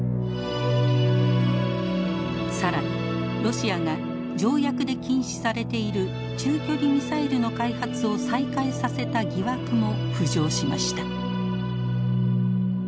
更にロシアが条約で禁止されている中距離ミサイルの開発を再開させた疑惑も浮上しました。